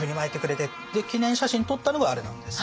で記念写真撮ったのがあれなんです。